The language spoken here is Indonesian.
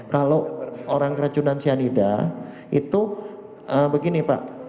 kalau orang keracunan cyanida itu begini pak